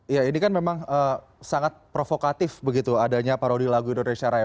ya ini kan memang sangat provokatif begitu adanya parodi lagu indonesia raya